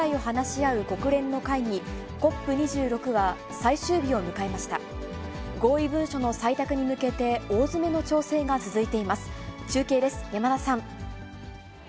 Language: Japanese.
合意文書の採択に向けて、大詰めの調整が続いています。